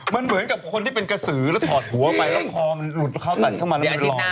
มันเหมือนกับคนที่เป็นกระสือแล้วถอดหัวไปแล้วคอมันหลุดเข้าตัดเข้ามาแล้วมันลอย